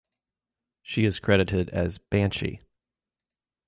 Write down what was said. She is credited as "Banshee".